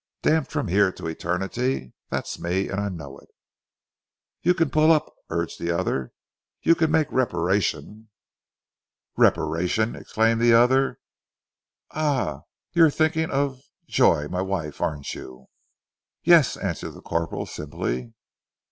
'Damned from here to Eternity'? That's me, and I know it." "You can pull up!" urged the other. "You can make reparation." "Reparation!" exclaimed the other. "Ah! you are thinking of Joy my wife, aren't you?" "Yes," answered the corporal simply.